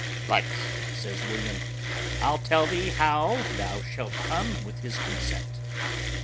"But," says William, "I'll tell thee how thou shalt come with his consent.